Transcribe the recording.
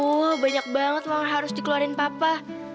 wah banyak banget uang yang harus dikeluarin papa